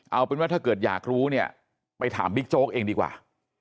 เอาเป็นว่าถ้าเกิดอยากรู้เนี่ยไปถามบิ๊กโจ๊กเองดีกว่า